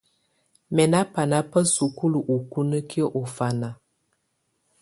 ̣Mɛ̀ nà bana bà sukulu ukunǝkiǝ́ ù ɔfana.